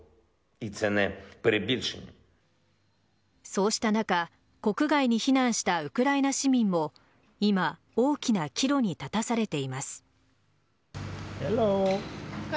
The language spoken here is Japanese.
そうした中国外に避難したウクライナ市民も今大きな岐路に立たされています。